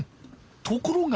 ところが。